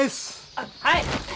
あっはい！